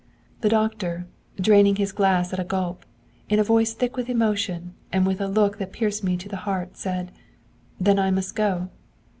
'The doctor, draining his glass at a gulp, in a voice thick with emotion, and with a look that pierced me to the heart, said: "Then I must go."